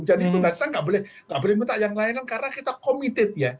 dan itu saya nggak boleh minta yang lain karena kita committed ya